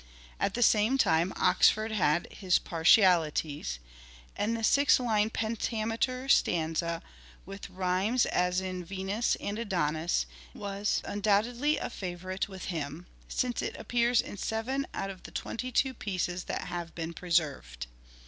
At the same time Oxford had his partialities, and the six lined pentameter stanza, with rhymes as in " Venus and Adonis," was undoubtedly a favourite with him ; since it appears in seven out of the twenty two pieces that have been preserved.